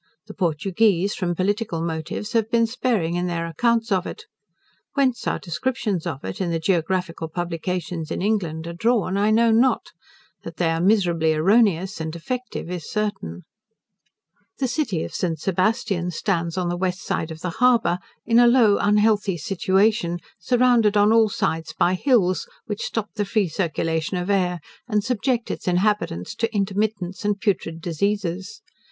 The Portugueze, from political motives, have been sparing in their accounts of it. Whence our descriptions of it, in the geographical publications in England, are drawn, I know not: that they are miserably erroneous and defective, is certain. The city of St. Sebastian stands on the west side of the harbour, in a low unhealthy situation, surrounded on all sides by hills, which stop the free circulation of air, and subject its inhabitants to intermittents and putrid diseases.